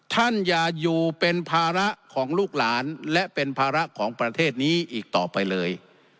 ท่านอย่าอยู่เป็นภาระของลูกหลานและเป็นภาระของประเทศนี้อีกต่อไปเลย